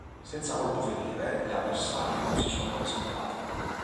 Senza colpo ferire: le avversarie non si sono presentate.